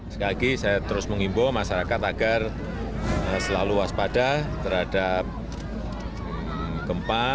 sekali lagi saya terus mengimbau masyarakat agar selalu waspada terhadap gempa